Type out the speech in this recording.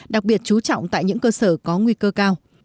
đặc biệt chú trọng tại những cơ sở có nguy cơ cao